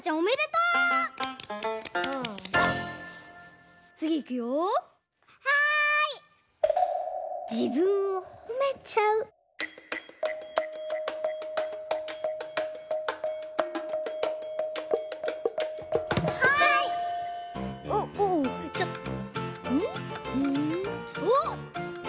うんおっ！